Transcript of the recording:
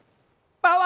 パワー！